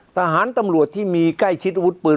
ทหารตำรวจที่มีใกล้ชิดอาวุธปืน